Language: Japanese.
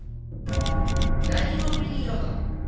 第５ピリオド。